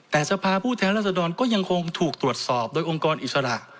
แต่สภาพผู้แทนรัศดรก็ยังคงถูกตรวจสอบโดยองค์กรอิสระ